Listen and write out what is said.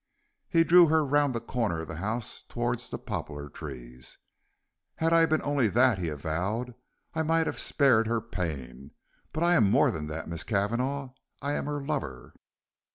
He drew her around the corner of the house towards the poplar trees. "Had I been only that," he avowed, "I might have spared her pain, but I am more than that, Miss Cavanagh, I am her lover."